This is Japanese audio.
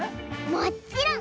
もっちろん！